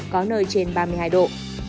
có nơi trên ba mươi hai độ